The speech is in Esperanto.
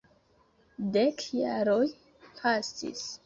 Dek jaroj pasis.